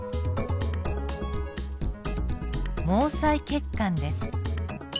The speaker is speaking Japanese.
毛細血管です。